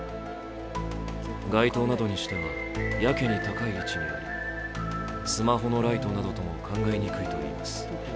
街頭などにしては、やけに高い位置にありスマホのライトなどとも考えにくいといいます。